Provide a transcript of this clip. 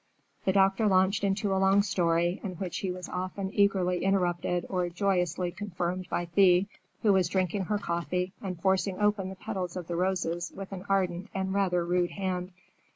The doctor launched into a long story, in which he was often eagerly interrupted or joyously confirmed by Thea, who was drinking her coffee and forcing open the petals of the roses with an ardent and rather rude hand.